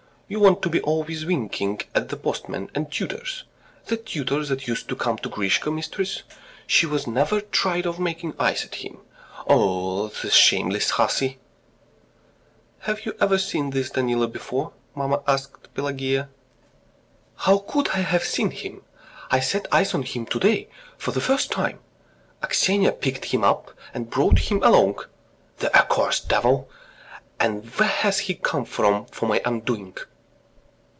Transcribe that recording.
You want to be always winking at the postmen and tutors. That tutor that used to come to Grishenka, mistress ... she was never tired of making eyes at him. O o, the shameless hussy!" "Have you seen this Danilo before?" mamma asked Pelageya. "How could I have seen him? I set eyes on him to day for the first time. Aksinya picked him up and brought him along ... the accursed devil. ... And where has he come from for my undoing!"